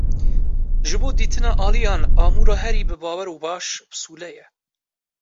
Ji bo dîtina aliyan, amûra herî bibawer û baş, pisûle ye.